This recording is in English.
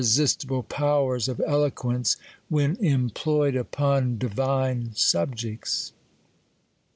sistible Powers of Eloquence, when employed u/ jn di vine subjects.